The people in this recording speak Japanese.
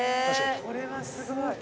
これはすごい。